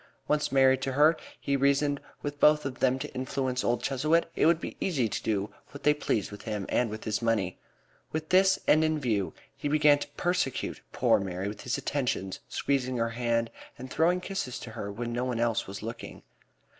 Once married to her, he reasoned, with both of them to influence old Chuzzlewit, it would be easy to do what they pleased with him and with his money, too. With this end in view, he began to persecute poor Mary with his attentions, squeezing her hand and throwing kisses to her when no one else was looking.